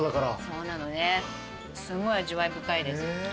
そうなのねすごい味わい深いです。